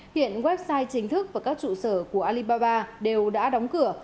hiện website chính thức và các trụ sở của alibaba đều đã đóng cửa